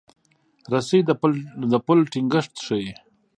رسۍ د پل ټینګښت ښيي.